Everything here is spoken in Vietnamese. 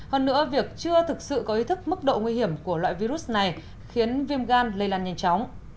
hơn nữa việc chưa thực sự có ý thức mức độ nguy hiểm của loại virus này khiến viêm gan lây lan nhanh chóng